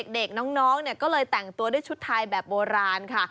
เด็กน้องก็เลยแต่งตัวด้วยชุดไทยแบบโบราณค่ะ